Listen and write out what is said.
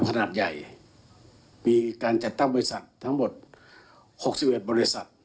ขนาดใหญ่มีการจัดตั้งบริษัททั้งหมด๖๑บริษัท